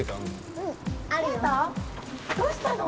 どうしたの！？